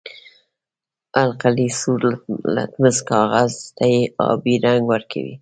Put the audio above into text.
القلي سور لتمس کاغذ ته آبي رنګ ورکوي.